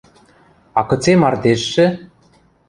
— А кыце мардежшӹ?